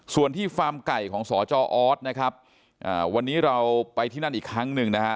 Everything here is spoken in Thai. ส่วนที่ฟาร์มไก่ของสจออสนะครับวันนี้เราไปที่นั่นอีกครั้งหนึ่งนะฮะ